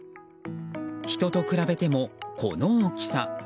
人と比べても、この大きさ。